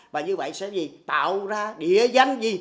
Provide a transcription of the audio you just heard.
và như vậy sẽ tạo ra địa danh gì